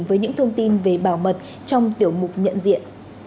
với những thông tin về bảo mật trong tiểu mục nhận diện